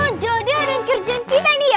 oh jadi ada yang kerjaan kita nih ya